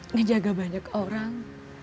menjaga banyak orang